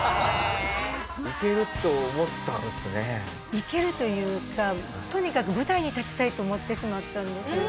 いけるというかとにかく舞台に立ちたいと思ってしまったんですね。